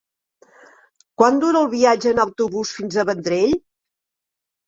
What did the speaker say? Quant dura el viatge en autobús fins al Vendrell?